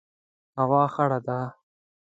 هوا خړه ده